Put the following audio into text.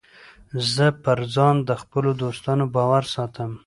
زه پر ځان د خپلو دوستانو باور ساتم.